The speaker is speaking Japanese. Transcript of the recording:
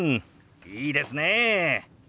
いいですね！